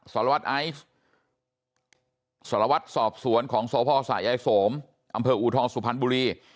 สรวรรษไอซ์สรวรรษสอบสวนของสวพสหายสมอำเภออูทองสุพรรณบุรี